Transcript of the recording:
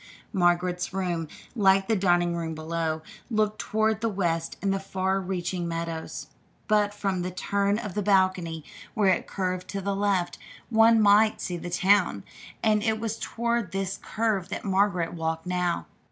Margaret's room, like the dining room below, looked toward the west and the far reaching meadows; but from the turn of the balcony where it curved to the left, one might see the town, and it was toward this curve that Margaret walked now.